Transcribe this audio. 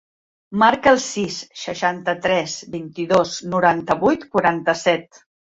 Marca el sis, seixanta-tres, vint-i-dos, noranta-vuit, quaranta-set.